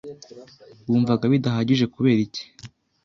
Wumvaga bidahagije kubera iki